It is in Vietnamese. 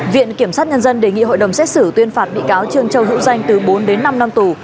viện kiểm sát nhân dân đề nghị hội đồng xét xử tuyên phạt bị cáo trương châu hữu danh từ bốn đến năm năm tù